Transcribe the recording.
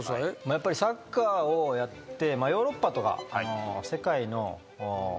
やっぱりサッカーをやってヨーロッパとか。